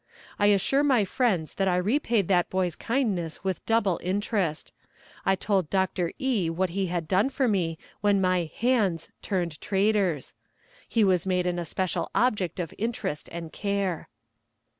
I assure my friends that I repaid that boy's kindness with double interest; I told Doctor E. what he had done for me when my "hands" turned traitors. He was made an especial object of interest and care.